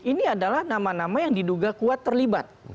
ini adalah nama nama yang diduga kuat terlibat